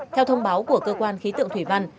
theo thông báo của cơ quan khí tượng thủy văn